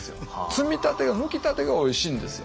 摘みたてむきたてがおいしいんですよ。